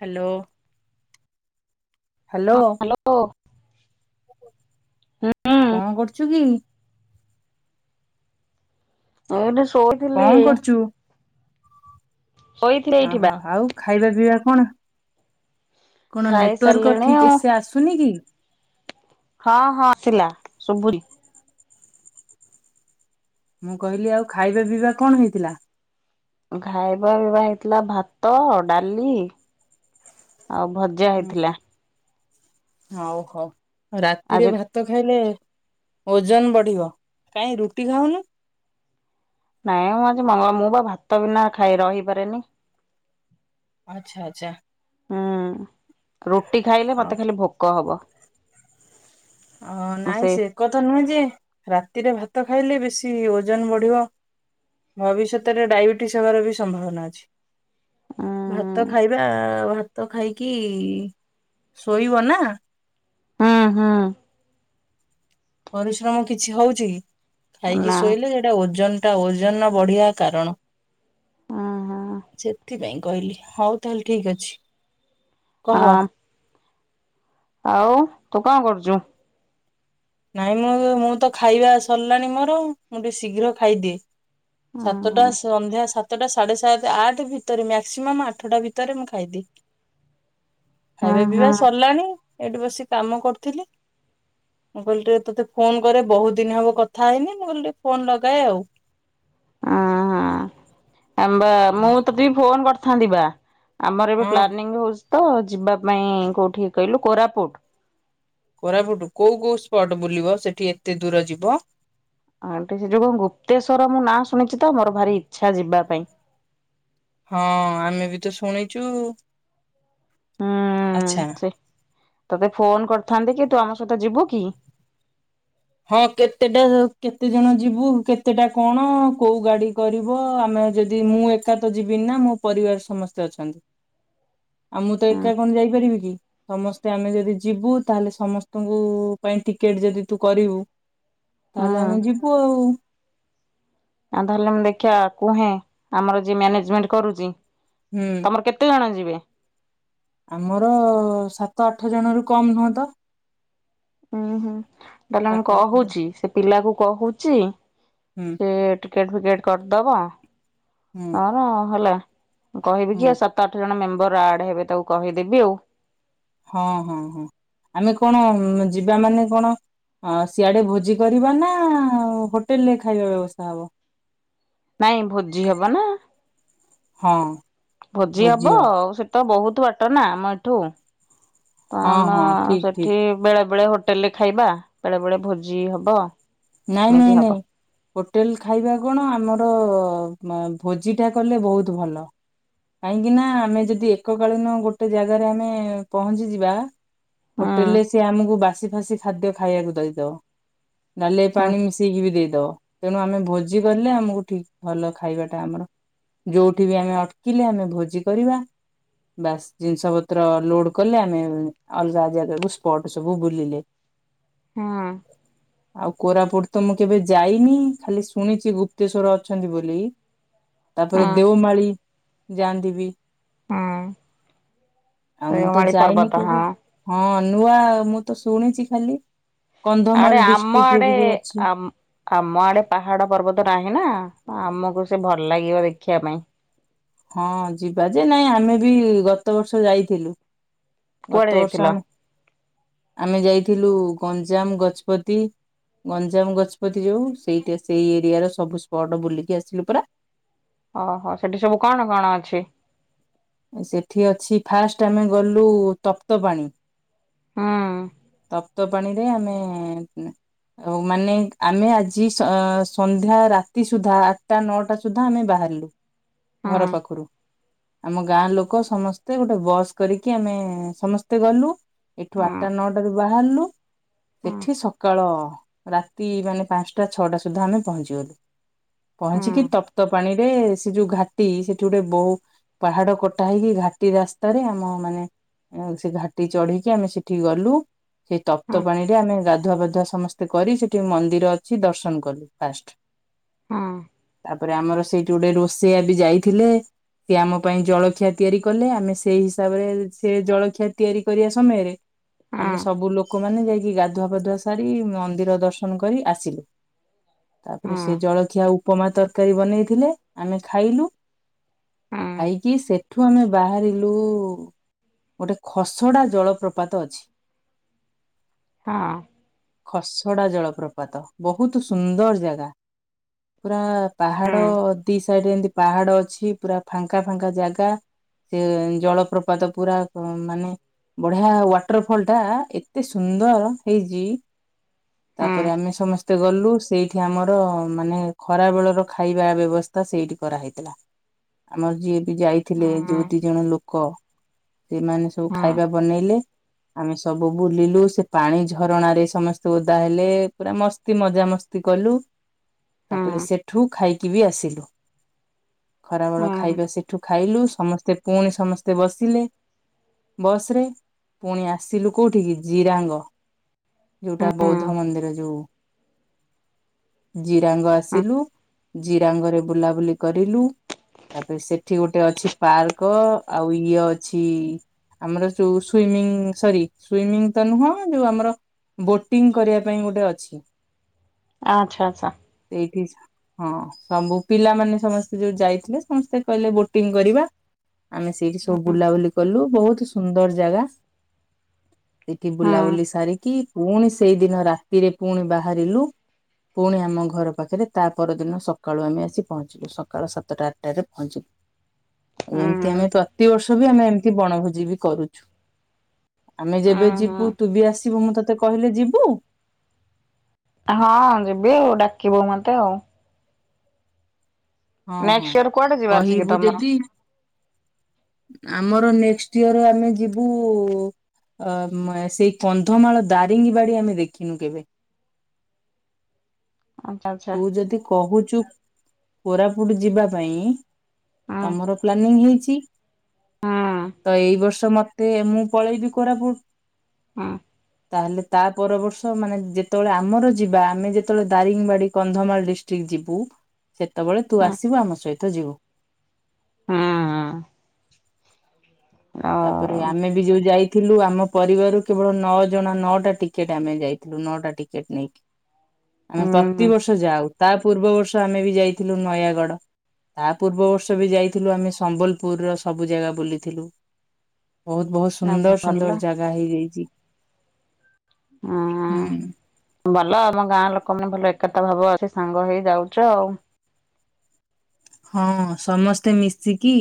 Hello hello. ଓ ହୁଁଉଁ। କଣ କରୁଚୁ କି? ମୁଁ ଏଠି ଶୋ କଣ କରୁଚୁ? ଶୋଇଥିଲି ହଁ ଏଇଠି ବା ହଁ ଆଉ ଖାଇବା ପିଇବା କଣ? କଣ ନେଟୱାର୍କ ଖାଇସାରିଲିଣି ଠିକ୍ ଆଉ ଏସେ ଆସୁନି କି? ହଁ ହଁ ଆସିଲା ଶୁବୁ ମୁଁ କହିଲି ଆଉ ଖାଇବା ପିଇବା କଣ ହେଇଥିଲା? ଖାଇବା ପିଇବା ହେଇଥିଲା ଭାତ ଡାଲି ଆଉ ଭ ହଉ ହଉ ରାତିରେ ଆଜି ଭା ଭାତ ଖାଇଲେ ଓଜନ ବଢିବ କାଇଁ ରୁଟି ଖାଉନୁ? ନାଇଁ ମୁଁ ଆଜି ମଙ୍ଗଳ ମୁଁ ବା ଭାତ ବିନା ଖାଇ ରହିପାରେନି। ଆଚ୍ଛା ଆଚ୍ଛା। ହୁଁ ରୁଟି ଖାଇଲେ ମତେ ଖାଲି ଭୋକ ହବ। ଅ ନାଇଁ ସେ କଥା ନୁହେଁ ଯେ ରାତିରେ ଭାତ ଖାଇଲେ ବେଶୀ ଓଜନ ବଢିବ। ଭବିଷ୍ୟତରେ ଡାଇବେଟିସ୍ ହବାର ବି ସମ୍ଭାବନା ଅଛି। ଉଁ ଭାତ ଖାଇବା ଭାତ ଖାଇକି ଶୋଇବ ନା। ହୁଁ ହୁଁ। ପରିଶ୍ରମ କିଛି ହଉଛି କି ଖାଇକି ନା ଶୋଇଲେ ଏଟା ଓଜନ ଟା ଓଜନ ବଢିଆ କାରଣ ଉଁ ହୁଁ ସେଥିପାଇଁ। କହିଲି ହଉ ତାହେଲେ ଠିକ ଅଛି। କହ। ଅଁ ଆଉ ତୁ କଣ କରୁଚୁ? ନାଇଁ ମୁଁ ଉ ମୁଁ ତ ଖାଇବା ସରିଲାଣି ମୋର ମୁଁ ଟିକେ ଶୀଘ୍ର ଖାଇଦିଏ। ଉଁ ସାତଟା ହୁଁ ସନ୍ଧ୍ୟା ସାତ୍ ସାତଟା ସାଢେ ସାତ ଆଠ ଭିତରେ ମ୍ୟାକ୍ସିମମ୍ ଆଠଟା ଭିତରେ ମୁଁ ଖାଇଦିଏ। ଉଁ ଖାଇବା ପିଇବା ହୁଁ ସରିଲାଣି ଏଇଠି ବସି କାମ କରୁଥିଲି। ମୁଁ କହିଲି ଟିକେ ତତେ ଫୋନ କରେ ବହୁତ ଦିନି ହବ କଥା ହେଇନି ମୁଁ କଲି ଟିକେ ଫୋନ ଲଗାଏ ଆଉ। ଅଁ ହ ଆମ୍ବା ମୁଁ ତତୀ ବି ଫୋନ କରିଥାନ୍ତି ବା। ଆମର ଏବେ ହଁ ପ୍ଲାନିଂ ହୋଉଚି ତ ଯିବା ପାଇଁ କୋଉଠିକି କହିଲୁ କୋରାପୁଟ। କୋରାପୁଟୁ କୋଉ କୋଉ ସ୍ପଟ ବୁଲିବ ସେଠି ଏତେ ଦୂର ଯିବ? ଆଁ ଟିକେ ଯୋଉ କଣ ଗୁପ୍ତେଶ୍ୱର ମୁଁ ନାଁ ଶୁଣିଚି ତ ମୋର ଭାରି ଇଚ୍ଛା ଯିବା ପାଇଁ। ହଁ ଆମେ ବି ତ ଶୁଣିଚୁ। ହୁଁ ସେ ତତେ ଫୋନ କରିଥାନ୍ତି କି ତୁ ଆମ ସହିତ ଯିବୁ କି? ହଁ କେତେଟା ର କେତେ ଜଣ ଯିବୁ କେତେଟା କଣ କୋଉ ଗାଡି କରିବ ଆମେ ଯଦି ମୁଁ ଏକା ତ ଯିବିନି ନା ମୋ ପରିବାର ସମସ୍ତେ ଅଛନ୍ତି। ଆ ମୁଁ ତ ହୁଁ ଏକା କଣ ଯାଇପାରିମୀ କି? ସମସ୍ତେ ଆମେ ଯଦି ଯିବୁ ତାହେଲେ ସମସ୍ତଙ୍କୁ ପାଇଁ ଟିକେଟ ଯଦି ତୁ କରିବୁ ତାହେଲେ ହୁଁ ଆମେ ଯିବୁ ଆଉ। ଆ ତାହେଲେ ମୁଁ ଦେଖିଆ କୁହେଁ ଆମର ଯିଏ ମ୍ୟାନେଜମେଣ୍ଟ କରୁଚି। ହୁଁ। ତମର କେତେ ଜଣ ଯିବେ? ଆମର ସାତ ଆଠ ଜଣ ରୁ କମ ନୁହଁ ତ ଉୁଁ ହୁଁ ତାହେଲେ ମୁଁ ସାତ ଆଠ ଜଣ କହୁଛି ସେ ପିଲା କୁ କହୁଚି ହୁଁ। ଏ ଟିକେଟ ଫିକେଟ କରିଦବା ହୁଁ ହମ ହେଲା ମୁଁ କହିବି କି ହୁଁ ତ ଆଠ ଜଣ ମେମ୍ବର ଆଡ ହେବେ ତାକୁ କହିଦେବି ଆଉ। ହଁ ହଁ ହଁ ଆମେ କଣ ଯିବା ମାନେ କଣ - ଅଁ ସିଆଡେ ଭୋଜି କରିବା ନା ହୋଟେଲ ରେ ଖାଇବା ବ୍ୟବସ୍ତା ହବ? ନାଇଁ ଭୋଜି ହବ ନା। ହଁ। ଭୋଜି ହବ ଆଉ ସେ ତ ବହୁତ ବାଟ ନା ଆମ ଏଠୁ। ତ ହଁ ଆମେ ହଁ ଠିକ୍ ଠିକ୍ ସେଠି ବେଳେ ବେଳେ ହୋଟେଲରେ ଖାଇବା ବେଳେ ବେଳେ ଭୋଜି ହବ ନାଇଁ ଏମିତି ନାଇଁ ହବ ନାଇଁ। ହୋଟେଲ ଖାଇବା କଣ ଆମର ମ ଭୋଜିଟା କଲେ ବହୁତ ଭଲ କାହିଁକି ନା ଆମେ ଯଦି ଏକକାଳୀନ ଗୋଟେ ଜାଗାରେ ଆମେ ପହଞ୍ଚିଯିବା ହୁଁ ହୋଟେଲ ରେ ସିଏ ଆମକୁ ବାସି ଫାସି ଖାଦ୍ୟ ଖାଇବାକୁ ଦେଇଦବ ଡାଲିରେ ହୁଁ ପାଣି ମିଶେଇକି ବି ଦେଇଦବ ତେଣୁ ଆମେ ଭୋଜି କଲେ ଆମକୁ ଠିକ ଭଲ ଖାଇବାଟା ଆମର ଯୋଉଠି ବି ଆମେ ଅଟକିଲେ ଆମେ ଭୋଜି କରିବା ବାସ୍ ଜିନିଷ ପତ୍ର ଲୋଡ କଲେ ଆମେ ଅଲଗା ଜାଗା କୁ ସ୍ପଟ ସବୁ ବୁଲିଲେ ହଁ। ଆଉ କୋରାପୁଟ ତ ମୁଁ କେବେ ଯାଇନି ଖାଲି ଶୁଣିଚି ଗୁପ୍ତେଶ୍ଵର ଅଛନ୍ତି ବୋଲି ତାପରେ ହୁଁ ଦେଓମାଳି ଯାଆନ୍ତିିବି ହୁଁ। ଆଉ ମୁଁ ତ ରେଓମାଳି ଯାଇନି ପର୍ବତ ହଁ କେବେ। ହଁ ନୂଆ ମୁଁ ତ ଶୁଣିଚି ଖାଲି ଆଡେ କନ୍ଧମାଳ ଡିଷ୍ଟ୍ ଆମ ଆଡେ ଆମ୍ ଆମ ଆଡେ ପାହାଡ ପର୍ବତ ନାହିଁ ନା ଆମକୁ ସେ ଭଲ ଲାଗିବ ଦେଖିବା ପାଇଁ। ହଁ ଯିବା ଯେ ନାଇଁ ଆମେ ବି ଗତ ବର୍ଷ ଯାଇଥିଲୁ। କୁଆଡେ ଗତ ବର୍ଷ ଯାଇଥିଲ ଆମେ ଆମେ ଯାଇଥିଲୁ ଗଞ୍ଜାମ ଗଜପତି ଗଞ୍ଜାମ ଗଜପତି ଯୋଉ ସେଇଟା ସେଇ ଏରିଆ ର ସବୁ ସ୍ପଟ ବୁଲିକି ଆସିଲୁ ପରା। ଓହୋ ସେଠି ସବୁ କଣ କଣ ଅଛି? ସେଠି ଅଛି ଫାଷ୍ଟ ଆମେ ଗଲୁ ତପ୍ତ ପାଣି ହୁଁ। ତପ୍ତ ପାଣିରେ ଆମେ ଆଉ ମାନେ ଆମେ ଆଜି ସ ସନ୍ଧ୍ୟା ରାତି ସୁଦ୍ଧା ଆଠଟା ନଅଟା ସୁଧା ସୁଦ୍ଧା ଆମେ ବାହାରିଲୁ ଘର ପାଖରୁ ଆମ ଗାଁ ଲୋକ ସମସ୍ତେ ଗୋଟେ ବସ୍ କରିକି ଆମେ ସମସ୍ତେ ତେ ଗଲୁ ଏଠୁ ଆଠଟା ନଅଟାରୁ ବାହାରିଲୁ ସେଠି ସକାଳ ରାତି ମାନେ ପାଞ୍ଚଟା ଛଅଟା ସୁଦ୍ଧା ଆମେ ପହଞ୍ଚିଗଲୁ ପହଞ୍ଚିକି ତପ୍ତ ପାଣି ଏ ସେ ଯୋଉ ଘାଟି ସେଠି ଗୋଟେ ବହୁ ପାହାଡ କଟା ହେଇକି ଘାଟି ରାସ୍ତାରେ ଆମ ମାନେ ସେ ଘାଟି ଚଢିକି ଆମେ ସେଠି ଗଲୁ ସେଇ ତପ୍ତ ପାଣିରେ ଆମେ ଗାଧୁଆବାଧୁଆ ସମସ୍ତେ କରି ସେଠି ମନ୍ଦିର ଅଛି ଦର୍ଶନ କଲୁ ଫାଷ୍ଟ ହୁଁ। ତାପରେ ଆମର ସେଇଠି ଗୋଟେ ରୋଷେଇଆ ବି ଯାଇଥିଲେ ସେ ଆମ ପାଇଁ ଜଳଖିଆ ତିଆରି କଲେ ଆମେ ସେଇ ହିସାବରେ ସେ ଜଳଖିଆ ତିଆରି କରିବା ସମୟରେ ଆମେ ସବୁ ଲୋକମାନେ ଯାଇକି ଗାଧୁଆ ପାଧୁଆ ସାରି ମନ୍ଦିର ଦର୍ଶନ କରି ଆସିଲୁ ତାପରେ ସେ ଜଳଖିଆ ଉପମା ତରକାରୀ ବନେଇଥିଲେ ଆମେ ଖାଇଲୁ। ଖାଇକି ସେ ସେଠୁ ଆମେ ବାହାରିଲୁ ଗୋଟେ ଖସଡ଼ା ଜଳପ୍ରପାତ ଅଛି। ହଁ। ଖସଡା ଜଳପ୍ରପାତ ବହୁତ ସୁନ୍ଦର ଜାଗା। ପୁରା ପାହାଡ ଦି ସାଇଡରେ ଏମତି ପାହାଡ ଅଛି ପୁରା ଫାଙ୍କା ଫାଙ୍କା ଜାଗା ସେ ଜଳପ୍ରପାତ ପୁରା ମାନେ ବଢିଆ ୱାଟରଫଲଟା ଏତେ ସୁନ୍ଦର ହେଇଛି? ତାପରେ ଆମେ ସମସ୍ତେ ଗଲୁ। ସେଇଠି ଆମର ମାନେ ଖରାବେଳର ଖାଇବା ବ୍ୟବସ୍ଥା ସେଇଠି କରାହେଇଥିଲା। ଆମର ଯିଏ ବି ଯାଇଥିଲେ ଯୋଉ ଦି ଜଣ ଲୋକ ସେମାନେ ସବୁ ଖାଇବା ବନେଇଲେ। ଆମେ ସବୁ ବୁଲିଲୁ ସେ ପାଣି ଝରଣା ରେ ସମସ୍ତେ ଓଦା ହେଲେ ପୁରା ମସ୍ତ ମତି ମଜାମସ୍ତି କଲୁ ହୁଁ ତାପରେ ସେଠୁ ଖାଇକି ବି ଆସିଲୁ। ଖରାବେଳ ଖାଇବା ସେଠୁ ଖାଇଲୁ ସମସ୍ତେ ପୁଣି ସମସ୍ତେ ବସିଲେ। ବସରେ ପୁଣି ଆସିଲୁ କୋଉଠିିକି ଜିରାଙ୍ଗ? ଯୋଉଟା ବୌଦ୍ଧ ମନ୍ଦିର ଯୋଉ ଜିରାଙ୍ଗ ଆସିଲୁ ଜିରାଙ୍ଗରେ ବୁଲାବୁଲି କରିଲୁ। ତାପରେ ସେଠି ଗୋଟେ ଅଛି ପାର୍କ ଆଉ ଇଏ ଅଛି। ଆମର ଯୋଉ ସୁଇମିଂ ସରି ସୁଇମିଂ ତ ନୁହଁ ଯୋଉ ଆମର ବୋଟିଂ କରିବା ପାଇଁ ଗୋଟେ ଅଛି। ଆଚ୍ଛା ଆଚ୍ଛା। ଏଇଠି ସ ହଁ ସବୁ ପିଲାମାନେ ସମସ୍ତେ ଯୋଉ ଯାଇ ସମସ୍ତେ କହିଲେ ବୋଟିଂ କରିବା? ଆମେ ସେଇଠି ସବୁ ବୁଲାବୁଲି କଲୁ ବହୁତ ସୁନ୍ଦର ଜାଗା। ସେଇଠି ବୁଲାବୁଲି ସାରିକି ପୁଣି ସେଇଦିନ ରାତିରେ ପୁଣି ବାହାରିଲୁ। ପୁଣି ଆମ ଘର ପାଖରେ ତା ପରଦିନ ସକାଳୁ ଆମେ ଆସି ପହଞ୍ଚିଲୁ ସକାଳ ସାତଟା, ଟାରେ ପହଞ୍ଚିଲୁ। ଏମିତି ଆମେ ପ୍ରତିିବର୍ଷ ବି ଆମେ ଏମିତି ବଣଭୋଜି ବି କରୁଛୁ? ଆମେ ଯେବେ ଯିବୁ ତୁ ବି ଆସିବୁ ମୁଁ ତତେ କହିଲେ ଯିବୁ? ହଁ ଯିବି ଆଉ ଡାକିବୁ ମତେ ଆଉ ହଁ ହଁ। ନେକ୍ସଟ ଇୟର କୁଆଡେ ଯିବାର ଅଛି କି କହିବୁ ତମର? ଯଦି ଆମର ନେକ୍ସଟ ଇୟର ଆମେ ଯିବୁ ଅ ମ ସେଇ କନ୍ଧମାଳ ଦାରିଙ୍ଗୀବାଡ଼ି ଆମେ ଦେଖିନୁ କେବେ? ଆଚ୍ଛା ଆଚ୍ଛା ତୁ ଯଦି କହୁଛୁ କୋରାପୁଟ ଯିବା ପାଇଁ ହୁଁ ତମର ପ୍ଲାନିଂ ହେଇଛି ହୁଁ ତ ଏଇ ବର୍ଷ ମତେ ମୁଁ ପଳେଇବି କୋରାପୁଟ। ହଁ। ତାହେଲେ ତା ପର ବର୍ଷ ମାନେ ଯେତେବେଳେ ଆମର ଯିବା ଆମେ ଯେତେବେଳେ ଦାରିଙ୍ଗ ବାଡି କନ୍ଧମାଳ ଡିଷ୍ଟ୍ରିକ୍ଟ ଯିବୁ ସେତେବେଳେ ତୁ ହୁଁ ଆସିବୁ ଆମ ସହିତ ଯିବୁ? ହଁ। ତାପରେ ଆଉ ଆମେ ବି ଯୋଉ ଯାଇ ଥିଲୁ ଆମ ପରିବାରରୁ କେବଳ ନଅ ଜଣ ନଅଟା ଟିକେଟ ଆମେ ଯାଇଥିଲୁ ନଅଟା ଟିକେଟ ନେଇ। ଆମେ ହୁଁ ପ୍ରତିବର୍ଷ ଯାଉ ତା ପୂର୍ବ ବର୍ଷ ଆମେ ବି ଯାଇଥିଲୁ ନୟାଗଡ। ତା ପୂର୍ବ ବର୍ଷ ବି ଯାଇଥିଲୁ ଆମେ ସମ୍ବଲପୁରର ସବୁ ଜାଗା ବୁଲିଥିଲୁ। ବହୁତ ବହୁତ ନା ସୁନ୍ଦର ଭଲ ସୁନ୍ଦର ଜାଗା ହେଇଯାଇଛି ହୁଁ। ଭଲ ଆମ ଗାଁ ଲୋକ ମାନେ ଭଲ ଏକତା ଭାବ ଅଛି ସାଙ୍ଗ ହେଇ ଯାଉଛ ଆଉ। ହଁ ସମସ୍ତେ ମିଶିକି।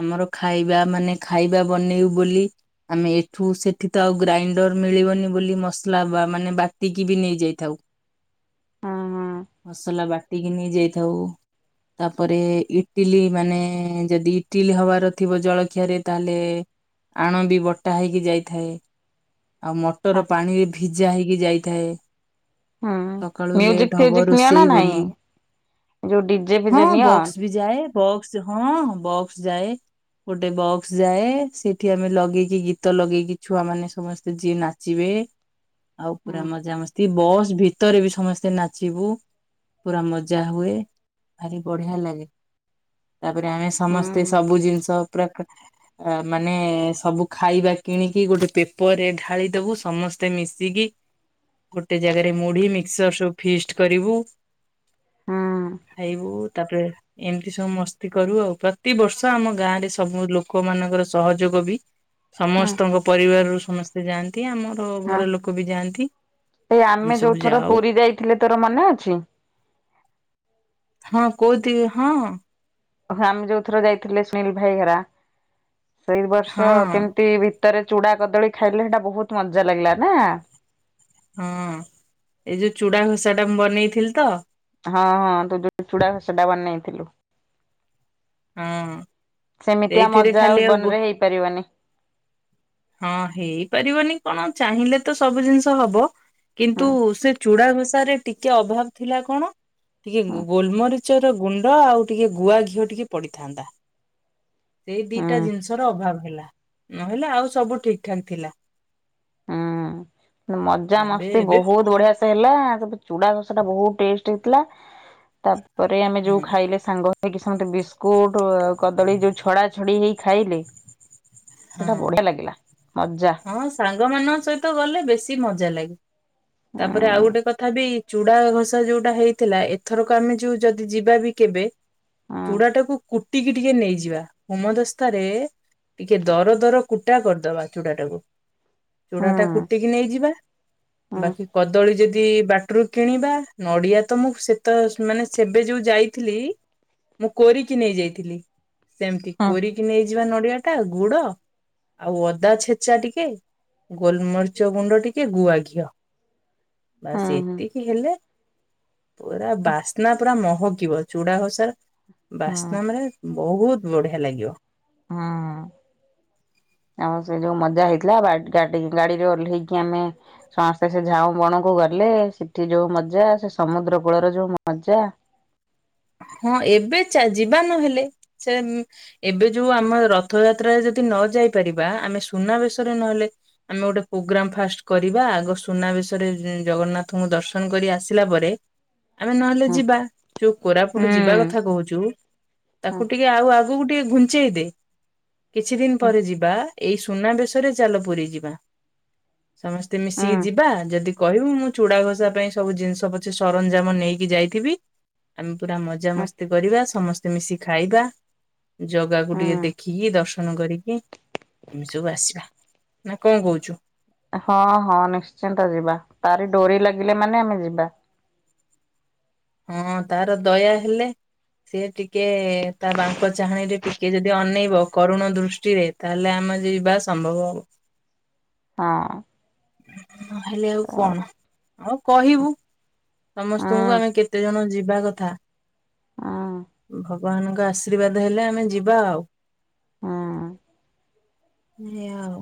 ଆମର ଖାଇବା ମାନେ ଖାଇବା ବନେଇବୁ ବୋଲି ଆମେ ଏଠୁ ସେଠି ତ ଆଉ ଗ୍ରାଇଣ୍ଡର ମିଳିବନି ବୋଲି ମସଲା ବା ମାନେ ବାଟିକିବି ନେଇଯାଇଥାଉ। ହୁଁ ମସଲା ବାଟିକି ନେଇ ଯାଇଥାଉ। ତାପରେ ଇଟିଲି ମାନେ ଯଦି ଇଟିଲି ହବାର ଥିବ ଜଳଖିଆରେ ତାହେଲେ ଆଣ ବି ବଟା ହେଇକି ଯାଇଥାଏ। ଆଉ ହୁଁ। ମଟର ପାଣିରେ ଭିଜା ହେଇକି ଯାଇଥାଏ। ହୁଁ ସକାଳୁ ମ୍ୟୁଜିକ ଲେଟ୍ ହବ ଫ୍ୟୁଜିକ ନିଅ ନା ରୋଷେଇ ନାଇଁ ବୋଲି ଯୋଉ ଡି ହଁ ବକ୍ସ ବି ଯାଏ। ବକ୍ସ ହଁ ବକ୍ସ ଯାଏ। ଗୋଟେ ବକ୍ସ ଯାଏ ସେଠି ଆମେ ଲଗେଇକି ଗୀତ ଲଗେଇକି ଛୁଆ ମାନେ ସମସ୍ତେ ଯିଏ ନାଚିବେ। ଆଉ ହୁଁ ପୁରା ମଜାମସ୍ତି ବସ୍ ଭିତ- ଗୀତରେ ବି ସମସ୍ତେ ନାଚିବୁ ପୁରା ମଜା ହୁଏ। ଭାରି ବଢିଆ ଲାଗେ। ତାପରେ ଆମେ ହୁଁ ସମସ୍ତେ ସବୁ ଜିନିଷ ପୁରା ଆ ମାନେ ସବୁ ଖାଇବା କିଣିକି ଗୋଟେ ପେପରରେ ଢାଳିଦବୁ ସମସ୍ତେ ମିଶିକି ଗୋଟେ ଜାଗାରେ ମୁଢି ମିକ୍ସର ସବୁ ଫିଷ୍ଟ କରିବୁ। ହଁ। ଖାଇବୁ ତାପରେ ଏମିତି ସବୁ ମସ୍ତି କରୁ ଆଉ ପ୍ରତିିବର୍ଷ ଆମ ଗାଁ ରେ ସବୁ ଲୋକ ମାନଙ୍କର ସହଯୋଗ ବି ହୁଁ ସମସ୍ତଙ୍କ ପରିବାରରୁ ସମସ୍ତେ ଯାଆନ୍ତି ଆମର ହଁ। ଘର ଲୋକ ବି ଯାଆନ୍ତି। ଏଇ ଆମେ ସବୁ ଯୋଉଥର ଯାଉ ପୁରୀ ଯାଇଥିଲେ ତୋର ମନେ ଅଛି? ହଁ କୋଉଥି ହଁ। ଓହୋ ଆମେ ଯୋଉ ଥର ଯାଇଥିଲେ ସୁନୀଲ ଭାଇ ହେରା ସେଇ ବର୍ଷ ହଁ କେମିତି ଭୀତରେ ଚୁଡା କଦଳୀ ଖାଇଲେ ହେଟା ବହୁତ ମଜା ଲାଗିଲା ନା। ହଁ ଏଇ ଯୋଉ ଚୁଡା ଘସାଟା ମୁଁ ବନେଇଥିଲି ତ? ହଁ ହଁ ତୁ ଯୋଉ ଚୁଡା ସେଟା ବନେଇଥିଲୁ। ହଁ ସେମିତିଆ ସେଇଥିରେ ମଜା ଆଉ ଖାଲି ଜୀବନ ଗୋ ରେ ହେଇପାରିବନି। ହଁ ହେଇପାରିବନି କଣ ଚାହିଁଲେ ତ ସବୁ ଜିନିଷ ହବ। କିନ୍ତୁ ହୁଁ ସେ ଚୂଡା ଘଷାରେ ଟିକେ ଅଭାବ ଥିଲା କଣ ଟିକେ ହୁଁ ଗୋ ଗୋଲମରି ମରିଚର ଗୁଣ୍ଡ ଆଉ ଟିକେ ଗୁଆ ଘିଅ ଟିକେ ପଡିଥାନ୍ତା। ସେଇ ଦିଟା ହୁଁ। ଜିନିଷର ଅଭାବ ହେଲା ନହେଲେ ଆଉ ସବୁ ଠିକ୍ ଠାକ୍ ଥିଲା। ହୁଁ ମଜା ଏବେ ମସ୍ତି ଏବେ ବହୁତ ବଢିଆ ହେଲା ତାପରେ ଚୁଡା ଘସାଟା ବହୁତ ଟେଷ୍ଟ ହେଇଥିଲା। ତାପରେ ଆମେ ଯୋଉ ହୁଁ ଖାଇଲେ ସାଙ୍ଗ ହେଇକି ସମସ୍ତେ ବିସ୍କୁଟ କଦଳୀ ଯୋଉ ଛଡା ଛଡି ହେଇ ଖାଇଲେ। ହଁ ସେଟା ବଢିଆ ଲାଗିଲା ମଜା ହଁ ସାଙ୍ଗ ମାନଙ୍କ ସହିତ ଗଲେ ବେଶି ମଜା ଲାଗେ। ଉଁ ତାପରେ ଆଉ ଗୋଟେ କଥା ବି ଚୁଡା ଘସା ଯୋଉଟା ହେଇଥିଲା ଏଥରକ ଆମେ ଯୋଉ ଯଦି ଯିବା ବି କେବେ ଉଁ ଚୁଡା ଟାକୁ କୁଟିକି ଟିକେ ନେଇଯିବା। ହୋମଦସ୍ତ ରେ ଟିକେ ଦର ଦର କୁଟା କରିଦବା ଚୁଡା ଟାକୁ। ଚୁଡ଼ା ହୁଁ ଟା କୁଟିକି ନେଇଯିବା। ହୁଁ ବାକି କଦଳୀ ଯଦି ଟି ବାଟରୁ କିଣିବା, ନଡିଆ ତ ମୁଁ ସେତ ମାନେ ସେବେ ଯୋଉ ଯାଇଥିଲି ମୁଁ କୋରିକି ନେଇଯାଇଥିଲି। ସେମିତି ହୁଁ କୋରିକି ନେଇଯିବା ନଡ଼ିଆ ଟା ଗୁଡ ଆଉ ଅଦା ଛେଚା ଟିକେ, ଗୋଲମରିଚ ଗୁଣ୍ଡ ଟିକେ, ଗୁଆ ଘିଅ। ବାସ୍ ହୁଁ ଏତିକି ହେଲେ, ପୁରା ବାସ୍ନା ପୁରା ମହକିବ। ଚୁଡା ଘସା ହୁଁ ବାସ୍ନା ମାନେ ବହୁତ ବଢିଆ ଲାଗିବ। ହୁଁ। ଆଉ ସେ ଯୋଉ ମଜା ହେଇଥିଲା, ଗାଡିରେ ଓଲ୍ହେଇକି ଆମେ ସମସ୍ତେ ସେ ଝାଉଁ ବଣକୁ ଗଲେ, ସେଠି ଯୋଉ ମଜା, ସେ ସମୁଦ୍ର କୂଳର ଯୋଉ ମଜା। ହୁଁ, ଏବେ ଚା ଯିବା ନହେଲେ ଚେ ଏବେ ଯୋଉ ଆମ ରଥଯାତ୍ରାରେ ଯଦି ନ ଯାଇ ପାରିବା, ଆମେ ସୁନାବେଶରେ ନହେଲେ ଆମେ ଗୋଟେ ପ୍ରୋଗ୍ରାମ ଫାଷ୍ଟ କରିବା। ଆଗ ସୁନାବେଶରେ ଜଗନ୍ନାଥଙ୍କୁ ଦର୍ଶନ କରି ଆସିଲା ପରେ ଆମେ ନହେଲେ ହୁଁ ଯିବା। ଯୋଉ ହୁଁ କୋରାପୁଟ ଯିବା କଥା କହୁଛୁ, ହୁଁ ତାକୁ ଟିକେ ଆଉ ଆଗକୁ ଟିକେ ଘୁଞ୍ଚେଇ ଦେ। କିଛି ଦିନ ହୁଁ ପରେ ଯିବା, ଏଇ ସୁନାବେଶରେ ଚାଲ ପୁରୀ ଯିବା। ସମସ୍ତେ ହୁଁ। ମିଶିକି ଯିବା, ଯଦି କହିବୁ ମୁଁ ଚୁଡ଼ା ଘଷା ପାଇଁ ସବୁ ଜିନିଷ ପଛେ ସରଞ୍ଜାମ ନେଇକି ଯାଇଥିବି। ଆମେ ପୁରା ହୁଁ ମଜାମସ୍ତି କରିବା, ସମସ୍ତେ ମିଶିକି ଖାଇବା। ଜଗାକୁ ଟିକେ ହୁଁ ଦେଖିକି ଦର୍ଶନ କରିକି ଆମେ ସବୁ ଆସିବା, ନା କଣ କହୁଛୁ? ହଁ ହଁ ନିଶ୍ଚିନ୍ତ ଯିବା, ତାରି ଡୋରି ଲାଗିଲେ ମାନେ ଆମେ ଯିବା। ହଁ ତାର ଦୟା ହେଲେ ସେ ଟିକେ ତା ବାଙ୍କ ଚାହାଣି ରେ ଟିକେ ଯଦି ଅନେଇବ, କରୁଣ ଦୃଷ୍ଟିରେ ତାହେଲେ ଆମେ ଯିବା ସମ୍ଭବ ହବ। ହଁ। ନହେଲେ ଆଉ ହଁ କଣ, ଆଉ କହିବୁ ସମସ୍ତଙ୍କୁ ହୁଁ ଆମେ କେତେ? ଜଣ ଯିବା କଥା। ହୁଁ ଭଗବାନଙ୍କ ଆଶୀର୍ବାଦ ହେଲେ ଆମେ ଯିବା ଆଉ ହୁଁ ନେ ଆଉ।